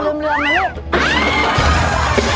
จั๊บแต่งมาโอ้โฮรุย